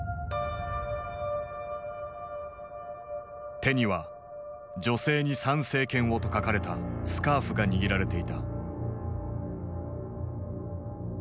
手には「女性に参政権を」と書かれたスカーフが握られていた。